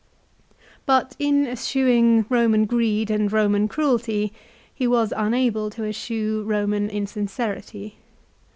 But in eschewing Eoman greed and Eoman cruelty, he was unable to eschew Eoman insincerity.